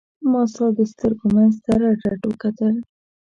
ما ستا د سترګو منځ ته رډ رډ وکتل.